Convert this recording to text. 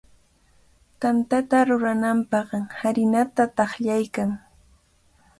Tantata rurananpaq harinata taqllaykan.